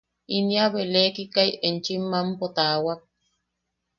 Inia belekikai enchim mampo taawak.